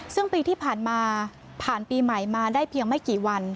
ซึ่งปีที่ผ่านมาผ่านปีใหม่มาได้เพียงไม่กี่วัน